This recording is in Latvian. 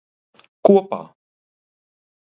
Kopā.